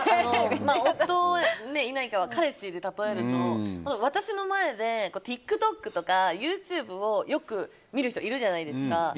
夫はいないから彼氏で例えると、私の前でＴｉｋＴｏｋとかユーチューブをよく見る人いるじゃないですか。